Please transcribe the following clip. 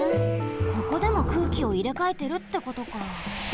ここでも空気をいれかえてるってことか。